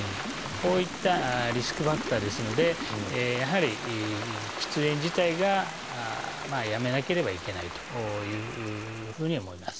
こういったリスクファクターですのでやはり喫煙自体がやめなければいけないというふうに思います。